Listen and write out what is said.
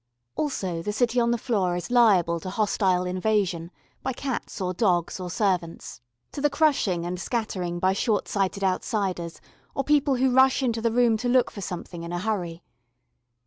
Also the city on the floor is liable to hostile invasion by cats or dogs or servants: to the crushing and scattering by short sighted outsiders or people who rush into the room to look for something in a hurry.